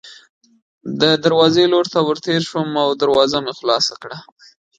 د دروازې لور ته ورتېر شوم او دروازه مې خلاصه کړه.